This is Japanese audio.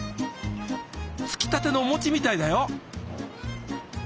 つきたてのお餅みたいだよ。